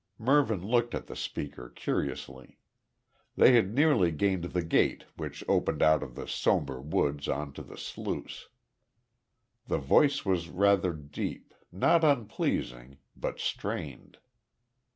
Mervyn looked at the speaker curiously. They had nearly gained the gate which opened out of the sombre woods on to the sluice. The voice was rather deep, not unpleasing, but strained.